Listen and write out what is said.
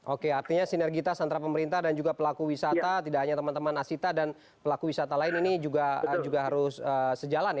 oke artinya sinergitas antara pemerintah dan juga pelaku wisata tidak hanya teman teman asita dan pelaku wisata lain ini juga harus sejalan ya